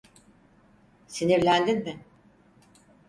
Sinirlendin mi?